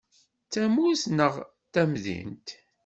D tamurt neɣ d tamdint?